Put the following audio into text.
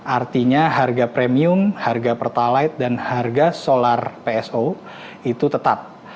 artinya harga premium harga pertalite dan harga solar pso itu tetap